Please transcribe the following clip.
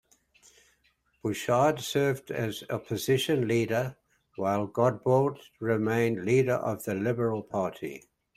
Bouchard served as opposition leader while Godbout remained leader of the Liberal Party.